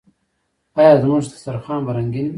آیا زموږ دسترخان به رنګین وي؟